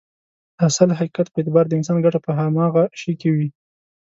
د اصل حقيقت په اعتبار د انسان ګټه په هماغه شي کې وي.